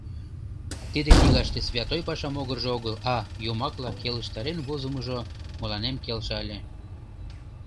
Тиде книгаште «святой паша» могыржо огыл, а йомакла келыштарен возымыжо мыланем келша ыле.